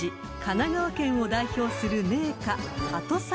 神奈川県を代表する銘菓］